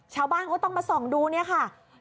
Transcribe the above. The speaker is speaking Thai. ชาวบ้านเขาต้องมาส่องดูเนี่ยค่ะ